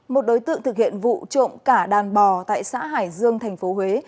một đối tượng thực hiện vụ trộm cả đàn bò tại xã hải dương tp huế